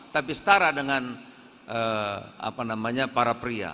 tapi setara dengan para pria